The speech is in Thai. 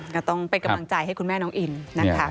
ก็ต้องเป็นกำลังใจให้คุณแม่น้องอินนะคะ